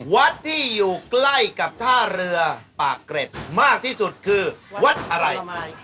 วัดที่อยู่ใกล้กับท่าเรือปากเกร็ดมากที่สุดคือวัดอะไร